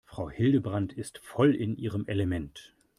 Frau Hildebrand ist voll in ihrem Element.